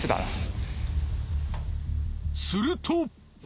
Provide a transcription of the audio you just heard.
すると。